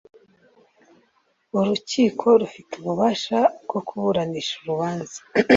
urukiko rufite ububasha bwo kuburanisha urubanza